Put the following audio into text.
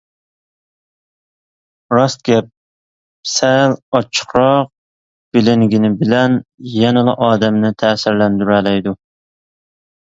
راست گەپ سەل ئاچچىقراق بىلىنگىنى بىلەن يەنىلا ئادەمنى تەسىرلەندۈرەلەيدۇ.